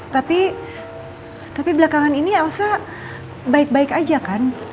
tapi tapi belakangan ini elsa baik baik aja kan